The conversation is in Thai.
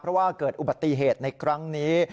เพราะว่าเกิดอุบัติเหตุในครั้งนี้